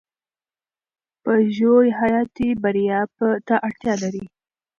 پژو حیاتي بریا ته اړتیا لرله.